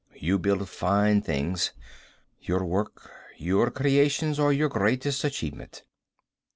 You build fine things. Your work, your creations, are your greatest achievement."